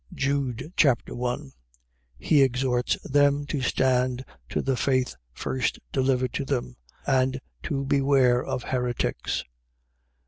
Jude Chapter 1 He exhorts them to stand to the faith first delivered to them and to beware of heretics.